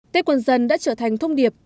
tết quân dân đã trở thành thông điệp